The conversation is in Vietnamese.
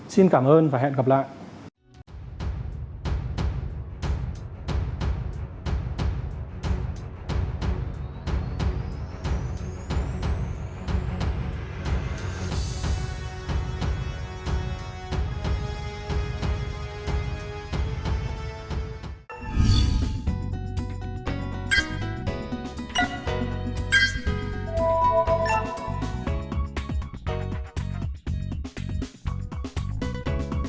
xin cảm ơn và hẹn gặp lại